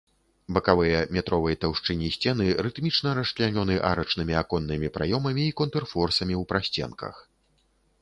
Бакавыя метровай таўшчыні сцены рытмічна расчлянёны арачнымі аконнымі праёмамі і контрфорсамі ў прасценках.